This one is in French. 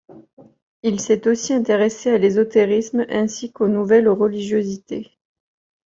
Il s'est aussi intéressé à l’ésotérisme ainsi qu'aux nouvelles religiosités.